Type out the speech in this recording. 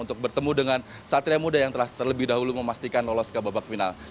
untuk bertemu dengan satria muda yang telah terlebih dahulu memastikan lolos ke babak final